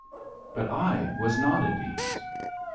But I was not at ease.